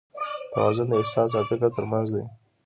توازن د احساس او فکر تر منځ دی.